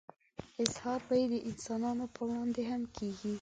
اظهار به يې د انسانانو په وړاندې هم کېږي.